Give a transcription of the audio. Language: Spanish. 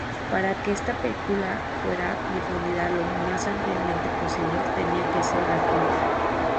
Para que esta película fuera difundida lo más ampliamente posible, tenía que ser gratuita.